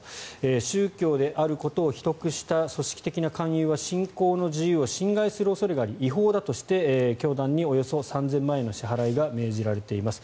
宗教であることを秘匿した組織的な勧誘は信仰の自由を侵害する恐れがあり違法だとして教団におよそ３０００万円の支払いが命じられています。